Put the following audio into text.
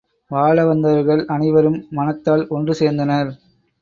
வாழ வந்தவர்கள் அனைவரும் மனத்தால் ஒன்று சேர்ந்தனர்.